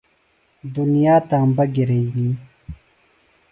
دُنیا تامبہ گِرئنی۔